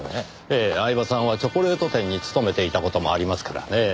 ええ饗庭さんはチョコレート店に勤めていた事もありますからねぇ。